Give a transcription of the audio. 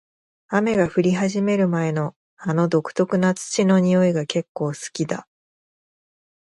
雨が降り始める前の、あの独特な土の匂いが結構好きだ。